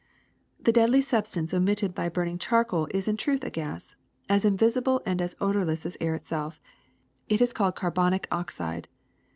^'The deadly substance emitted by burning char coal is in truth a gas, as invisible and as odorless as air itself. It is called carbonic oxide.